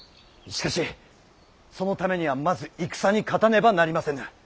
しかしそのためにはまず戦に勝たねばなりませぬ。